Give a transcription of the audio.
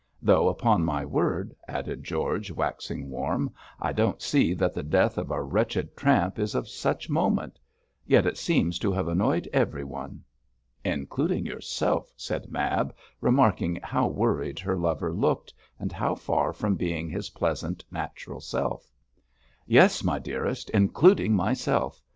Though, upon my word,' added George, waxing warm, 'I don't see that the death of a wretched tramp is of such moment; yet it seems to have annoyed everyone.' 'Including yourself,' said Mab, remarking how worried her lover looked, and how far from being his pleasant, natural self. 'Yes, my dearest, including myself.